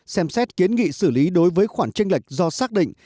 xem xét kiến nghị xử lý đối với khoản tranh lệch do xác định